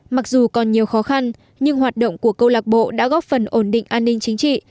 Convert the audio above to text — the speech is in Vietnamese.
mặc dù còn nhiều khó khăn nhưng hoạt động của câu lạc bộ đã góp phần ổn định an ninh chính trị